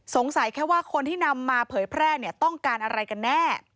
แค่ว่าคนที่นำมาเผยแพร่เนี่ยต้องการอะไรกันแน่